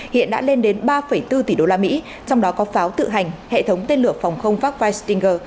hiện đã lên đến ba bốn tỷ đô la mỹ trong đó có pháo tự hành hệ thống tên lửa phòng không vak vistinger